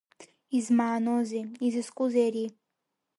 Измааноузеи, изызкузеи ари?